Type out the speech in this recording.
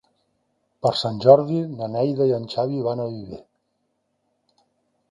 Per Sant Jordi na Neida i en Xavi van a Viver.